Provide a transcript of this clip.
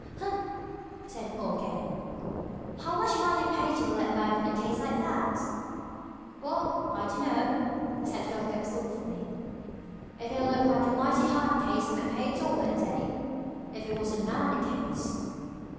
"Humph!" said old Gabe. "How much might you pay to be let work on a case like that?" "Well, I dunno!" said Philo Gubb thoughtfully. "If it looked like a mighty hard case I might pay a dollar a day if it was a murder case."